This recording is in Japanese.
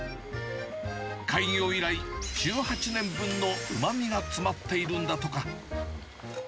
開業以来、１８年分のうまみが詰まっているんだとか。